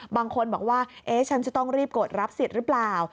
บางคนบอกว่าเอ๊ะฉันจะต้องรีบกดรับสิทธิ์หรือเปล่า